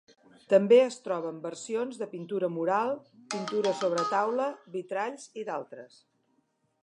També es troben versions de pintura mural, pintura sobre taula, vitralls, i d'altres.